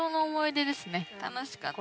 楽しかった。